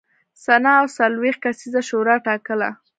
سنا او څلوېښت کسیزه شورا ټاکله.